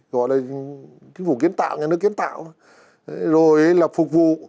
gọi là chính phủ kiến tạo là nước kiến tạo